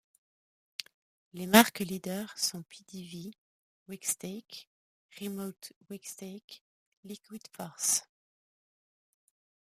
Les marques leader sont Pidivi Wakeskate, Remote Wakeskate, Liquid Force.